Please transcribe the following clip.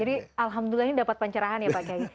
jadi alhamdulillah ini dapat pencerahan ya pak gaya